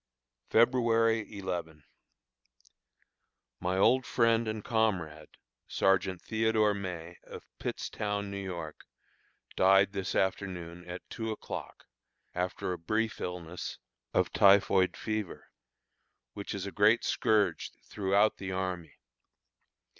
February 11. My old friend and comrade, Sergeant Theodore May, of Pittstown, New York, died this afternoon at two o'clock, after a brief illness, of typhoid fever, which is a great scourge throughout the army.